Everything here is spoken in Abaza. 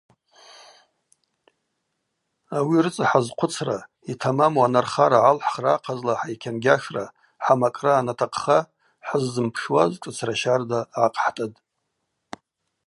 Ауи рыцӏа хӏазхъвыцра, йтамаму анархара гӏалхӏхра ахъазла хӏайкьангьашра, хӏамакӏра анатахъха хӏыззымпшуаз шӏыцра щарда гӏахъхӏтӏытӏ.